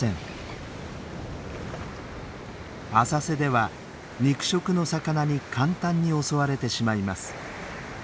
浅瀬では肉食の魚に簡単に襲われてしまいます。